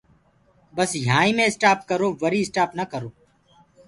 بس يهآنٚ ئي مينٚ اِسٽآپ ڪرو وري اِسٽآپ نآ ڪرو۔